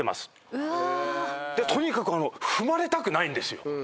でとにかく踏まれたくないんですよ。